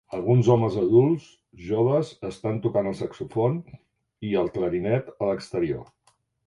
Alguns homes adults joves estan tocant el saxòfon i el clarinet a l'exterior.